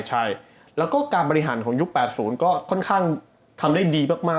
ใช่แล้วก็การบริหารของยุค๘๐ก็ค่อนข้างทำได้ดีมาก